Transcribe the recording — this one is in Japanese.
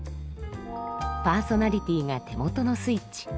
パーソナリティーが手元のスイッチ